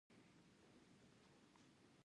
غزني د افغانستان د انرژۍ د سکتور یوه لویه برخه ده.